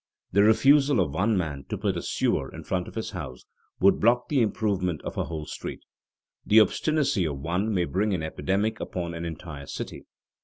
The refusal of one man to put a sewer in front of his house would block the improvement of a whole street. The obstinacy of one may bring an epidemic upon an entire city.